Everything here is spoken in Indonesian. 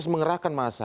terus mengerahkan masa